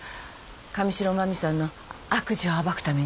神代真実さんの悪事を暴くために。